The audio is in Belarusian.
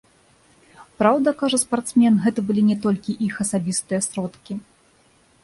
Праўда, кажа спартсмен, гэта былі не толькі іх асабістыя сродкі.